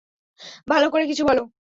ভালো করে কিছু বলো।